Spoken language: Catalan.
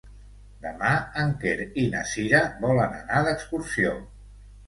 Demà en Quer i na Cira volen anar d'excursió.